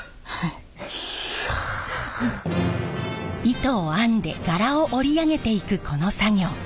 糸を編んで柄を織り上げていくこの作業。